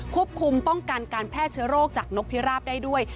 ควบคุมป้องกันการแพร่เชื้อโรคจากนกพิราบได้ด้วย